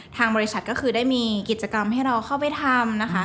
ทางบริษัทก็คือได้มีกิจกรรมให้เราเข้าไปทำนะคะ